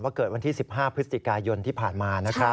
เกิดวันที่๑๕พฤศจิกายนที่ผ่านมา